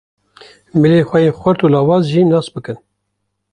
Milên xwe yên xurt û lawaz jî nas bikin.